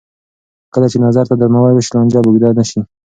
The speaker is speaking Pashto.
کله چې نظر ته درناوی وشي، لانجه به اوږده نه شي.